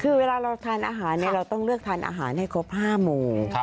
คือเวลาเราทานอาหารเราต้องเลือกทานอาหารให้ครบ๕โมง